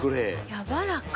やわらか。